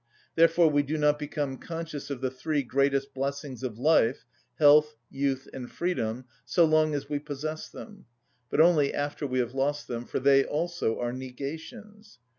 Therefore we do not become conscious of the three greatest blessings of life, health, youth, and freedom, so long as we possess them, but only after we have lost them; for they also are negations.